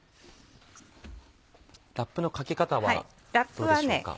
ラップのかけ方はどうでしょうか。